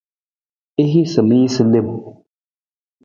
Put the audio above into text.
I hiisa mi jasa lem.